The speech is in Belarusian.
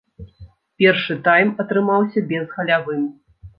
Першы тайм атрымаўся безгалявым.